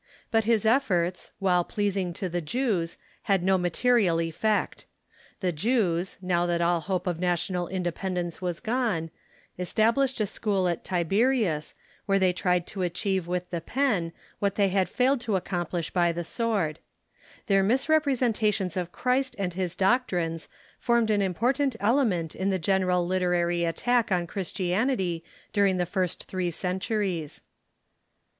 But his efforts, while pleasing to the Jews, had no material effect. The Jews, now that all hope of national indeiDendence was gone, established a school at Tiberias, where they tried to achieve with the pen wliat they had failed to accomplish by the SM'ord. Their mis representations of Christ and his doctrines formed an impor tant element in the general literary attack on Christianity during the first three centuries.